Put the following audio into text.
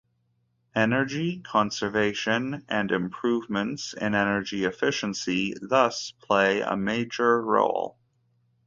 Energy conservation and improvements in energy efficiency thus play a major role.